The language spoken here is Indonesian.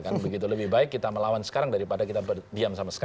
kan begitu lebih baik kita melawan sekarang daripada kita diam sama sekali